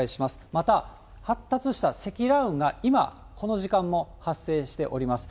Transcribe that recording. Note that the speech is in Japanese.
また、発達した積乱雲が今、この時間も発生しております。